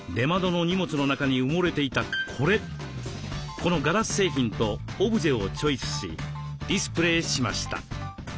このガラス製品とオブジェをチョイスしディスプレーしました。